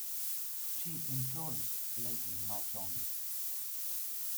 She enjoys playing mahjong.